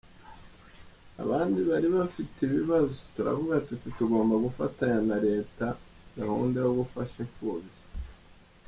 abandi bari bafite ibibazo, turavuga tuti tugomba gufatanya na Leta gahunda yo gufasha impfubyi.